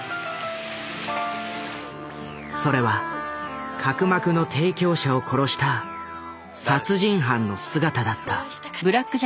それは角膜の提供者を殺した殺人犯の姿だった。